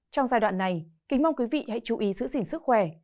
trong giai đoạn này kính mong quý vị hãy chú ý giữ gìn sức khỏe